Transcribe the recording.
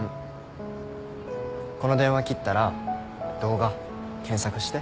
この電話切ったら動画検索して。